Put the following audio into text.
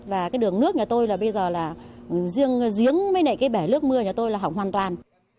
và cái đường nước nhà tôi là bây giờ là riêng giếng mấy nảy cái bẻ nước mưa nhà tôi là hỏng hoàn toàn